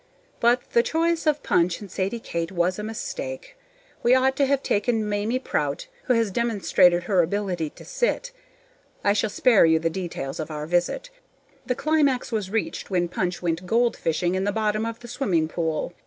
But the choice of Punch and Sadie Kate was a mistake. We ought to have taken Mamie Prout, who has demonstrated her ability to sit. I shall spare you the details of our visit; the climax was reached when Punch went goldfishing in the bottom of the swimming pool.